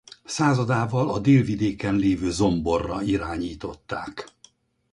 Századával a Délvidéken lévő Zomborra irányították.